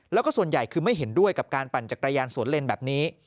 แล้วก็ส่วนใหญ่คือไม่เห็นด้วยกับการปั่นจักรยานสวนเล่นแบบนี้